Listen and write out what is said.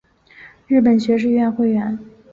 日本学士院会员。